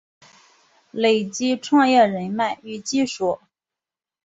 累积创业人脉与技术